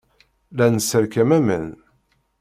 La nesserkam aman.